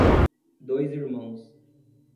Dois Irmãos